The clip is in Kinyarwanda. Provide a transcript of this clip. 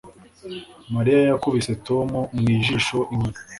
Mariya yakubise Tom mu jisho inkoni